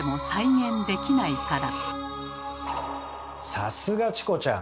さすがチコちゃん！